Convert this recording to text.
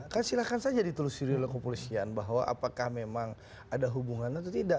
kan silahkan saja ditulis diri oleh kepolisian bahwa apakah memang ada hubungan atau tidak